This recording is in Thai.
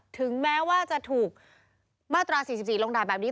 ถึงแม้ว่าจะถูกมาตรา๔๔ลงดาบแบบนี้